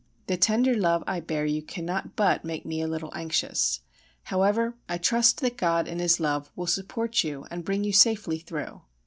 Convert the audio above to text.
The tender love I bear you cannot but make me a little anxious. However, I trust that God in His love will support you and bring you safely through.